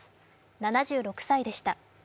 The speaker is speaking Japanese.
７６歳でした。